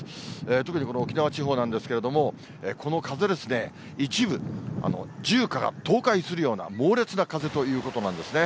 特にこの沖縄地方なんですけれども、この風ですね、一部、住家が倒壊するような猛烈な風ということなんですね。